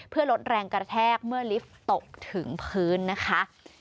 เพื่อลดแรงกระแทกเมื่อลิฟต์ตกถึงพื้นนะคะ